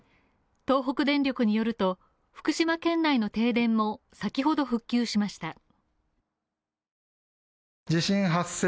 東北電力によると、福島県内の停電も先ほど復旧しました。